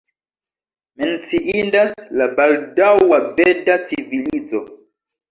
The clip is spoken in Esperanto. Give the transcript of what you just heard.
Menciindas la baldaŭa veda civilizo.